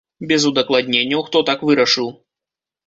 Без удакладненняў, хто так вырашыў.